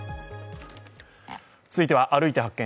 続いては「歩いて発見！